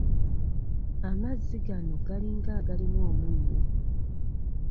Amazzi gano galinga agalimu omunnyo.